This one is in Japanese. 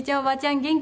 元気？